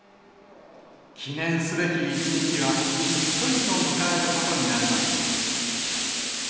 記念すべき１日は、ひっそりと迎えることになりました。